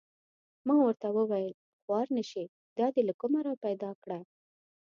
ما ورته و ویل: خوار نه شې دا دې له کومه را پیدا کړه؟